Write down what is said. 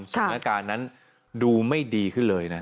สถานการณ์นั้นดูไม่ดีขึ้นเลยนะ